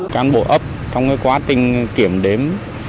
các bộ ấp trong quá trình kiểm đếm